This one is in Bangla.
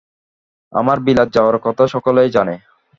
আমার বিলাত যাওয়ার কথা সকলেই জানে।